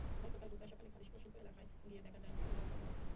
গতকাল বুধবার সকালে খালিশপুর শিল্প এলাকায় গিয়ে দেখা যায়, শ্রমিকেরা কর্মব্যস্ত।